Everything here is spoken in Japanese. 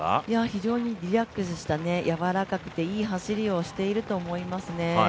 非常にリラックスした、柔らかくていい走りをしていると思いますね。